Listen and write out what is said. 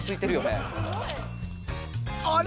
あれ？